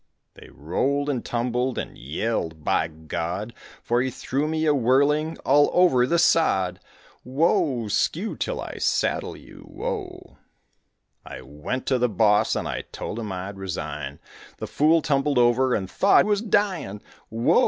They rolled and tumbled and yelled, by God, For he threw me a whirling all over the sod, Whoa! skew, till I saddle you, whoa! I went to the boss and I told him I'd resign, The fool tumbled over, and I thought he was dyin', Whoa!